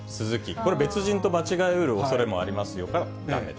これは別人と間違えるおそれもありますから、だめ。